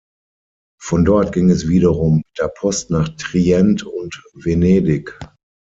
Von dort ging es wiederum mit der Post nach Trient und Venedig.